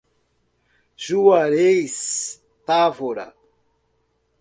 Juarez Távora